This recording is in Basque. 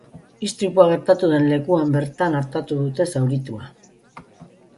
Istripua gertatu den lekuan bertan artatu dute zauritua.